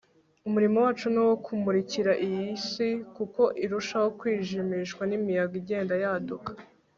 umurimo wacu ni uwo kumurikira iyi si, kuko irushaho kwijimishwa n'imiyaga igenda yaduka